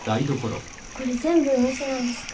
これ全部梅酒なんですか？